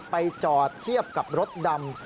ไปจอดเทียบกับรถดำ